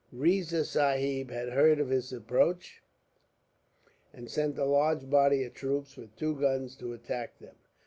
Riza Sahib had heard of his approach; and sent a large body of troops, with two guns, to attack him.